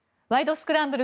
スクランブル」